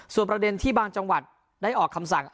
ส่วนประเด็นที่บางจังหวัดได้ออกคำสั่ง